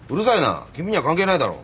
君には関係ないだろ。